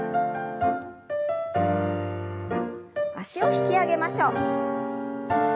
脚を引き上げましょう。